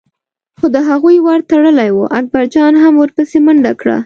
خو د هغوی ور تړلی و، اکبرجان هم ور پسې منډه کړه.